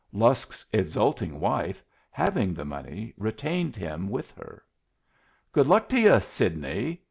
Lusk's exulting wife, having the money, retained him with her. "Good luck to yu', Sidney!"